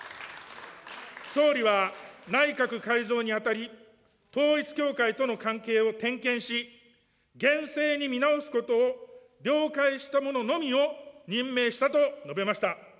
総理は内閣改造にあたり、統一教会との関係を点検し、厳正に見直すことを了解した者のみを任命したと述べました。